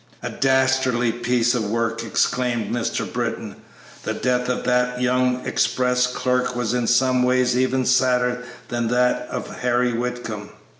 "A dastardly piece of work!" exclaimed Mr. Britton. "The death of that young express clerk was in some ways even sadder than that of Harry Whitcomb.